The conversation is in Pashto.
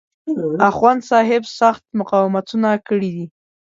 اخوندصاحب سخت مقاومتونه کړي دي.